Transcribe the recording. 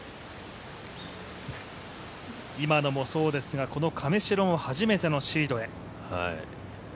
今野もそうですが、亀代も初めてのシードへ。